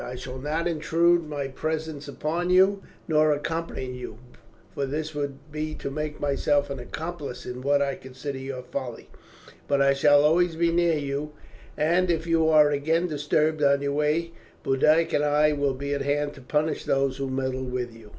I shall not intrude my presence upon you, nor accompany you, for this would be to make myself an accomplice in what I consider your folly; but I shall always be near you, and if you are again disturbed on your way Boduoc and I will be at hand to punish those who meddle with you."